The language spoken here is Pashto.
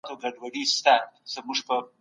د مېوو استعمال د بدن روغتیا تضمینوي.